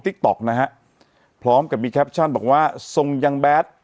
ติ๊กต๊อกนะฮะพร้อมกับมีแคปชั่นบอกว่าทรงยังแบด